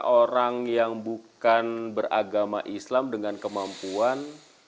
orang yang bukan beragama islam dengan kemampuan